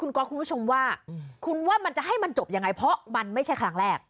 ก๊อฟคุณผู้ชมว่าคุณว่ามันจะให้มันจบยังไงเพราะมันไม่ใช่ครั้งแรก